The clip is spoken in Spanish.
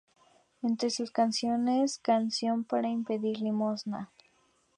Entre sus canciones ""Canción para pedir limosna"".